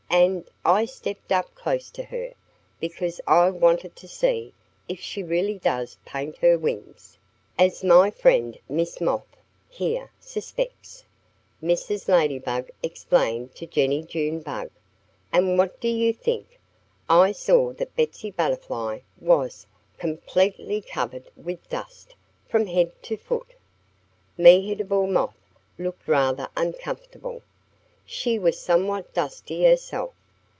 And I stepped up close to her, because I wanted to see if she really does paint her wings, as my friend Miss Moth, here, suspects," Mrs. Ladybug explained to Jennie Junebug. "And what do you think? I saw that Betsy Butterfly was completely covered with dust, from head to foot!" Mehitable Moth looked rather uncomfortable. She was somewhat dusty herself.